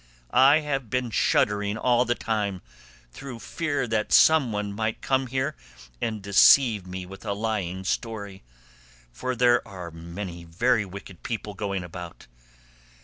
I have been shuddering all the time through fear that someone might come here and deceive me with a lying story; for there are many very wicked people going about.